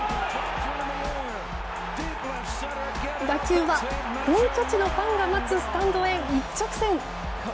打球は本拠地のファンが待つスタンドへ一直線。